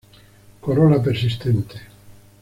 Corola persistente.